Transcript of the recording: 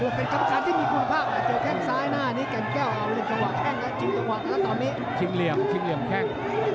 คำนาจที่มีคุณภาพโจกแค่ซ้ายหน้านี้กันอย่างไก้เอาอาวุธทะวันแค่งแล้วชิงตะวัน